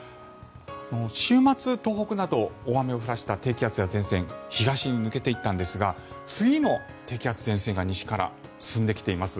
週末、東北などに大雨を降らせた低気圧や前線東に抜けていったんですが次の低気圧前線が西から進んできています。